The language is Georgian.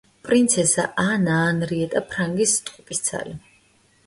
პრინცესა ანა ანრიეტა ფრანგის ტყუპისცალი.